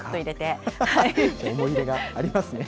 思い出がありますね。